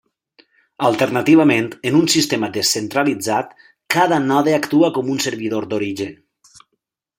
Alternativament, en un sistema descentralitzat, cada node actua com un servidor d'origen.